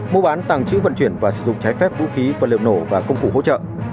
mua bán tàng trữ vận chuyển và sử dụng trái phép vũ khí vật liệu nổ và công cụ hỗ trợ